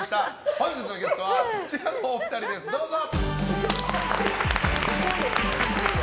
本日のゲストはこちらのお二人です、どうぞ！